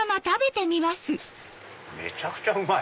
めちゃくちゃうまい！